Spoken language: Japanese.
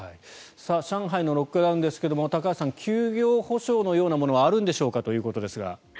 上海のロックダウンですが高橋さん休業補償のようなものはあるんでしょうかということですが。